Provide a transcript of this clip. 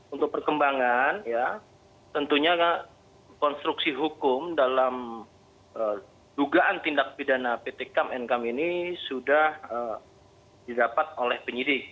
untuk perkembangan ya tentunya konstruksi hukum dalam dugaan tindak pidana pt kam nkam ini sudah didapat oleh penyidik